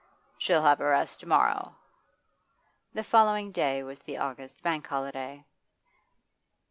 'She'll have a rest to morrow.' The following day was the August bank holiday.